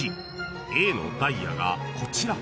［Ａのダイヤがこちら］